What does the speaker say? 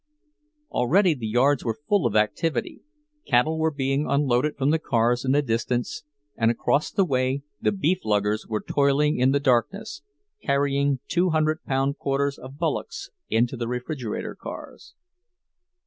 Already the yards were full of activity; cattle were being unloaded from the cars in the distance, and across the way the "beef luggers" were toiling in the darkness, carrying two hundred pound quarters of bullocks into the refrigerator cars.